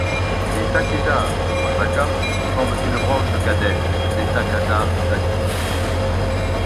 Les Takeda de Wakasa forment une branche cadette des Takeda d'Aki.